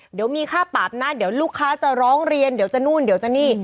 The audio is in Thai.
เดี๋ยวมีค่าปรับนะเดี๋ยวลูกค้าจะร้องเรียนเดี๋ยวจะนู่นเดี๋ยวจะนี่